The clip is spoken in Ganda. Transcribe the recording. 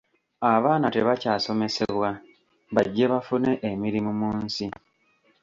Abaana tebakyasomesebwa bajje bafune emirimu mu nsi